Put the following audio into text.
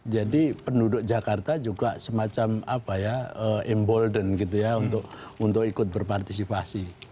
jadi penduduk jakarta juga semacam apa ya emboldened gitu ya untuk ikut berpartisipasi